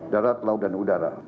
darat laut dan udara